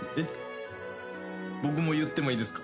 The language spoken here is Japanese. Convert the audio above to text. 僕も言ってもいいですか？